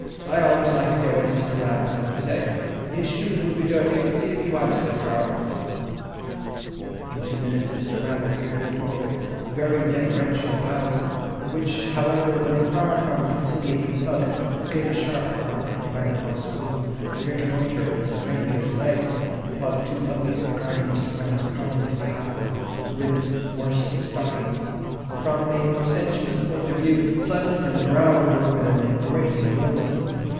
"I always like to hear what Mr. Rann has got to say. His shoes will be dirty, but see that he wipes them Carroll." In two minutes Mr. Rann appeared at the door with very deferential bows, which, however, were far from conciliating Pug, who gave a sharp bark and ran across the room to reconnoitre the stranger's legs; while the two puppies, regarding Mr. Rann's prominent calf and ribbed worsted stockings from a more sensuous point of view, plunged and growled over them in great enjoyment.